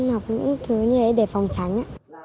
học những thứ như thế để phòng tránh